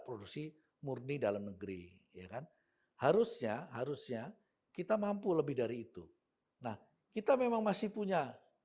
produksi murni dalam negeri ya kan harusnya harusnya kita mampu lebih dari itu nah kita memang masih punya